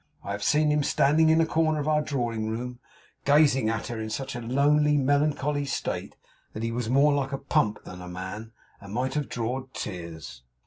I have seen him standing in a corner of our drawing room, gazing at her, in such a lonely, melancholy state, that he was more like a Pump than a man, and might have drawed tears.